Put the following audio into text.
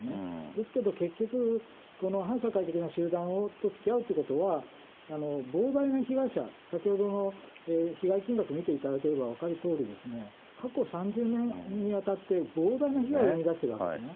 ですけど結局、この反社会的な集団とつきあうということは、膨大な被害者、先ほどの被害金額を見ていただければ分かるとおり、過去３０年にわたって膨大な被害を生み出しているわけですね。